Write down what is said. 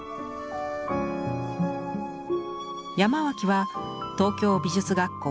山脇は東京美術学校